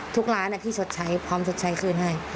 ทุกร้านพี่ชดใช้พร้อมชดใช้คืนให้